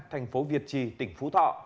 thành phố việt trì tỉnh phú thọ